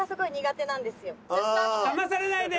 だまされないで。